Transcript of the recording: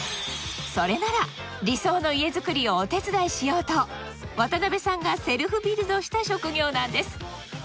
それなら理想の家づくりをお手伝いしようと渡辺さんがセルフビルドした職業なんです